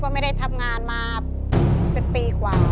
ไม่ได้ทำงานมาเป็นปีกว่า